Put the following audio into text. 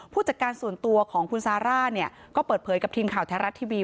ผู้จัดการส่วนตัวของคุณซาร่าเนี่ยก็เปิดเผยกับทีมข่าวแท้รัฐทีวี